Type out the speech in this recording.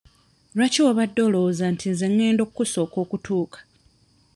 Lwaki wabadde olwowooza nti nze ngenda okusooka okutuuka?